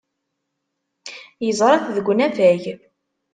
Yeẓra-t deg unafag.